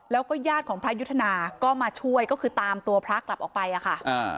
แล้วก็ญาติของพระยุทธนาก็มาช่วยก็คือตามตัวพระกลับออกไปอ่ะค่ะอ่า